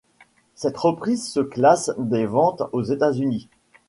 Cette reprise se classe des ventes aux États-Unis.